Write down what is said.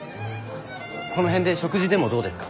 この辺で食事でもどうですか？